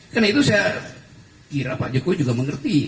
karena itu saya kira pak jokowi juga mengerti